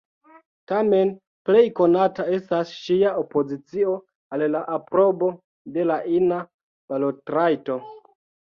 Tamen, plej konata estas ŝia opozicio al la aprobo de la ina balotrajto.